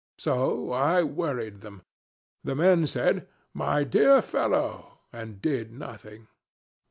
So I worried them. The men said 'My dear fellow,' and did nothing.